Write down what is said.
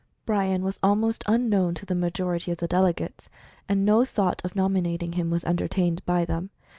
Bryan was almost unknown to the majority of the delegates, and no thought of nominating him was en tertained by them.